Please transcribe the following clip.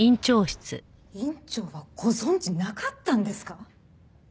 院長はご存じなかったんですか？